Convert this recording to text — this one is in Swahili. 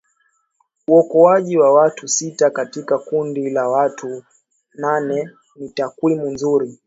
uokoaji wa watu sita katika kundi la watu nane ni takwimu nzuri